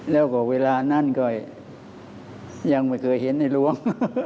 แล้วก็เวลานั้นก็ยังไม่เคยเห็นในหลวง